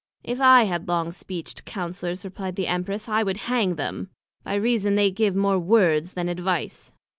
If I had long speeched Councellors, replied the Empress, I would hang them, by reason they give more Words, then Advice.